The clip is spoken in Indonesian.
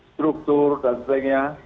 struktur dan sebagainya